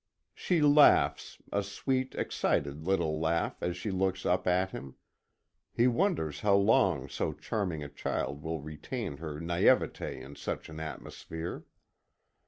She laughs, a sweet, excited little laugh as she looks up at him. He wonders how long so charming a child will retain her naïveté in such an atmosphere.